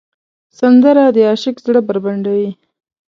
سندره د عاشق زړه بربنډوي